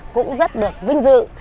cũng rất được vinh dự